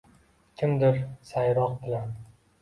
kimdir sayroq bilan